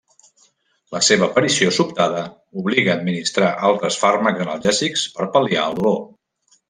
La seva aparició sobtada obliga administrar altres fàrmacs analgèsics per pal·liar el dolor.